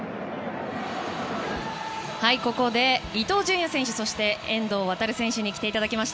ここで伊東純也選手そして、遠藤航選手に来ていただきました。